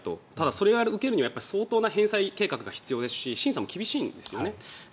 それを受けるには相当な返済計画が必要ですし厳しいんですね。